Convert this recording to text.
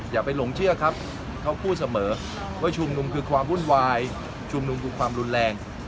อย่าไปหลงเชื่อครับเขาพูดเสมอว่าชุมนุมคือความวุ่นวายชุมนุมคือความรุนแรง